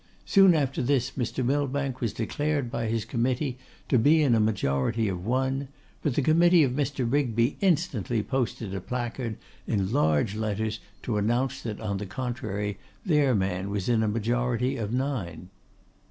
Soon after this, Mr. Millbank was declared by his committee to be in a majority of one, but the committee of Mr. Rigby instantly posted a placard, in large letters, to announce that, on the contrary, their man was in a majority of nine.